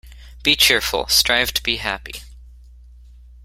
Be cheerful. Strive to be happy.